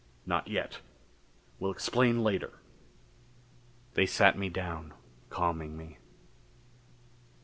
Not yet. We'll explain later." They sat me down, calming me....